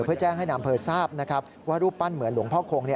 เพื่อแจ้งให้นำเภอทราบว่ารูปบ้านเหมือนหลวงพ่อคง